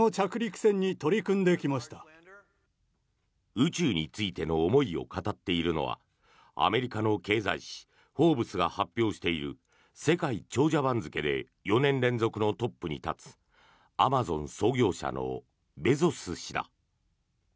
宇宙についての思いを語っているのはアメリカの経済誌「フォーブス」が発表している世界長者番付で４年連続のトップに立つアマゾン創業者のベゾス氏だ。